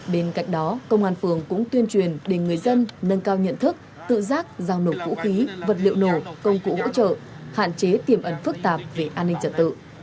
bên cạnh đó công an phường cũng tuyên truyền để người dân nâng cao nhận thức tự giác giao nổ vũ khí vật liệu nổ công cụ hỗ trợ hạn chế tiềm ẩn phức tạp về an ninh trật tự